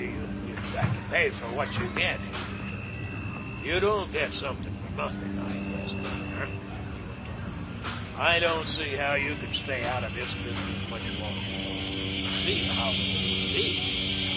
"You've got to pay for what you get," he returned. "You don't get something for nothing, I guess. Governor," he went on, "I don't see how you can stay out of this business much longer. You see how it will be.